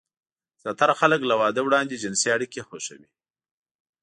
زياتره خلک له واده وړاندې جنسي اړيکې خوښوي.